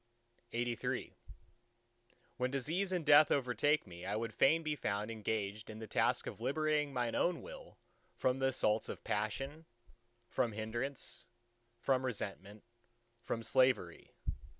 LXXXIV When disease and death overtake me, I would fain be found engaged in the task of liberating mine own Will from the assaults of passion, from hindrance, from resentment, from slavery.